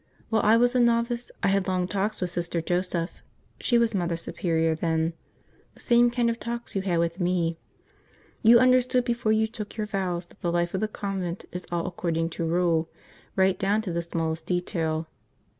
While I was a novice I had long talks with Sister Joseph, she was Mother Superior then – the same kind of talks you had with me. You understood before you took your vows that the life of the convent is all according to rule, right down to the smallest detail.